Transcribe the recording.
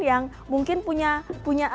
yang mungkin punya